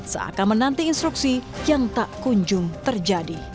seakan menanti instruksi yang tak kunjung terjadi